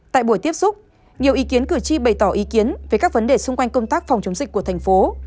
tại buổi tiếp xúc nhiều ý kiến cử tri bày tỏ ý kiến về các vấn đề xung quanh công tác phòng chống dịch của thành phố